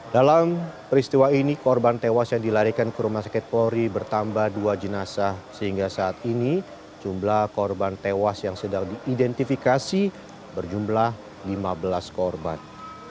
dalam peristiwa ini korban tewas yang dilarikan ke rumah sakit polri bertambah dua jenazah sehingga saat ini jumlah korban tewas yang sedang diidentifikasi berjumlah lima belas korban